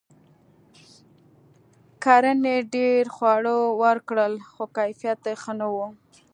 کرنې ډیر خواړه ورکړل؛ خو کیفیت یې ښه نه و.